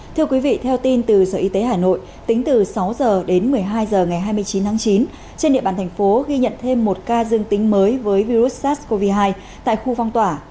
thưa quý vị theo tin từ sở y tế hà nội tính từ sáu h đến một mươi hai h ngày hai mươi chín tháng chín trên địa bàn thành phố ghi nhận thêm một ca dương tính mới với virus sars cov hai tại khu phong tỏa